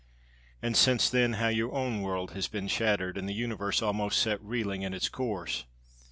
And since then how your own world has been shattered, and the universe almost set reeling in its course!